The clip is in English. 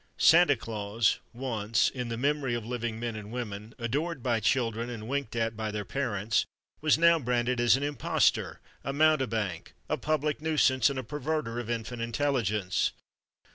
Santa Claus, once, in the memory of living men and women, adored by children and winked at by their parents, was now branded as an imposter, a mountebank, a public nuisance, and a perverter of infant intelligence.